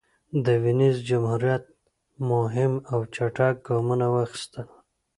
د وینز جمهوریت مهم او چټک ګامونه واخیستل.